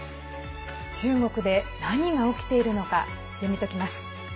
中国で何が起きているのか読み解きます。